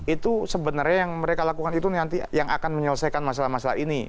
itu sebenarnya yang mereka lakukan itu nanti yang akan menyelesaikan masalah masalah ini